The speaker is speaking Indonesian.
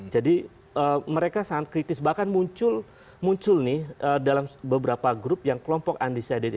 jadi mereka sangat kritis bahkan muncul nih dalam beberapa grup yang kelompok undecided voter